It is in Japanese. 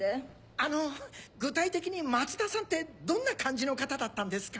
あの具体的に松田さんってどんな感じの方だったんですか？